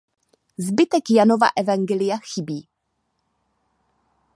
Zbytek Janova evangelia chybí.